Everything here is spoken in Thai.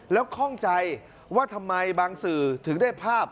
แล้วข้องใจว่าทำไมบางสื่อถึงได้ภาพ